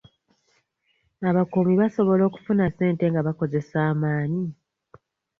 Abakuumi basobola okufuna ssente nga bakozesa amaanyi?